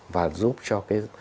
và giúp cho cái